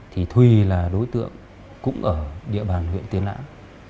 thì thùy là đối tượng cũng ở địa bàn huyện tiên lãng